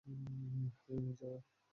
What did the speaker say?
High, নির্জারা।